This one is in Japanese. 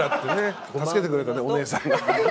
助けてくれたねお姉さんが。